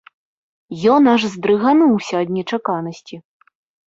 Ён аж здрыгануўся ад нечаканасці.